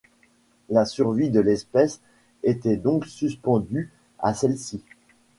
La survie de l'espèce était donc suspendue à celle-ci.